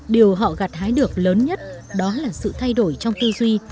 điều họ gặt hái được lớn nhất đó là sự thay đổi trong tư duy